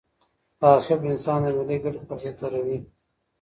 تعصب انسان د ملي ګټو پر ضد دروي.